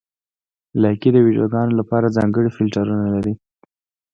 لایکي د ویډیوګانو لپاره ځانګړي فېلټرونه لري.